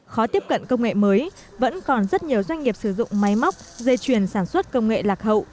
khó tiếp cận công nghệ mới vẫn còn rất nhiều doanh nghiệp sử dụng máy móc dây chuyền sản xuất công nghệ lạc hậu